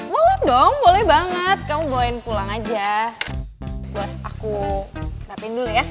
boleh dong boleh banget kamu boleh pulang aja buat aku siapin dulu ya